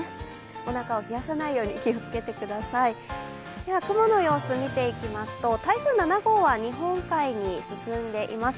おなかを冷やさないように気をつけてくださいでは雲の様子、見ていきますと台風７号は日本海に進んでいます。